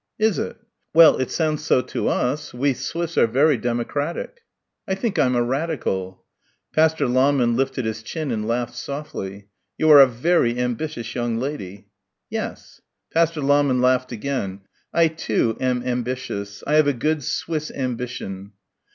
"Is it?" "Well, it sounds so to us. We Swiss are very democratic." "I think I'm a radical." Pastor Lahmann lifted his chin and laughed softly. "You are a vairy ambitious young lady." "Yes." Pastor Lahmann laughed again. "I, too, am ambitious. I have a good Swiss ambition."